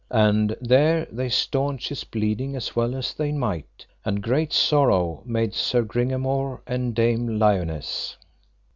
And there they staunched his bleeding as well as they might, and great sorrow made Sir Gringamore and Dame Lionesse.